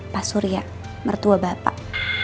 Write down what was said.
pak surya mertua bapak